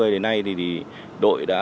đến nay thì đội đã